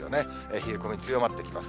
冷え込み強まってきます。